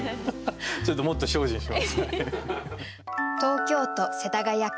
ちょっともっと精進します。